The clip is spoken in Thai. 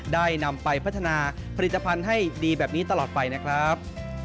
ได้นำไปพัฒนาผลิตภัณฑ์ให้ดีแบบนี้ตลอดไปนะครับ